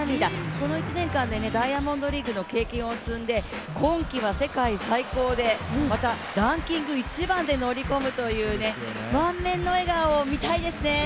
この１年間でダイヤモンドリーグの経験を積んで今季は世界最高で、またランキング１番で乗り込むというね満面の笑顔を見たいですね。